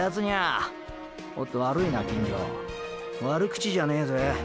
おっと悪いな金城悪口じゃねェぜ。